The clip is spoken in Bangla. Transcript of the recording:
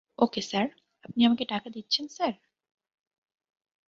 ওকে স্যার আপনি আমাকে টাকা দিচ্ছেন স্যার?